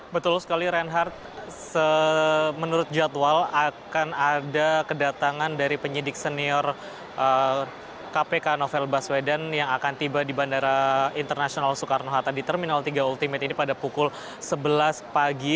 betul sekali reinhardt menurut jadwal akan ada kedatangan dari penyidik senior kpk novel baswedan yang akan tiba di bandara internasional soekarno hatta di terminal tiga ultimate ini pada pukul sebelas pagi